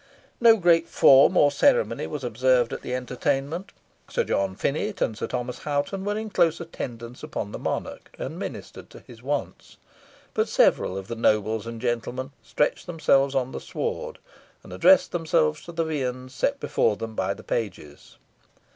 No great form or ceremony was observed at the entertainment. Sir John Finett and Sir Thomas Hoghton were in close attendance upon the monarch, and ministered to his wants; but several of the nobles and gentlemen stretched themselves on the sward, and addressed themselves to the viands set before them by the pages.